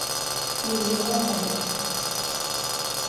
Nous vivrons en famille.